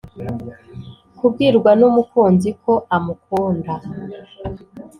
kubwirwa n’umukunzi ko amukunda,